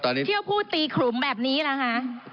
เที่ยวผู้ตีขลุมแบบนี้ล่ะฮะ